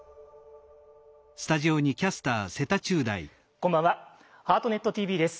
こんばんは「ハートネットＴＶ」です。